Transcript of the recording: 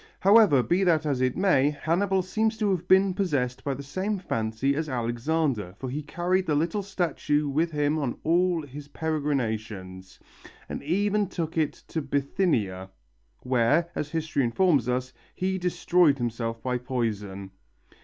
However, be that as it may, Hannibal seems to have been possessed by the same fancy as Alexander, for he carried the little statue with him on all his peregrinations, and even took it to Bithynia, where, as history informs us, he destroyed himself by poison.